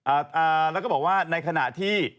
อ่าแล้วก็บอกว่าในขณะที่